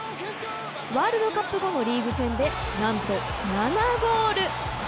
ワールドカップ後のリーグ戦で何と７ゴール！